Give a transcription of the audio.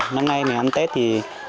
năm nay mình ăn tết thì